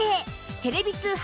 テレビ通販